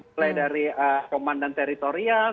mulai dari komandan teritorial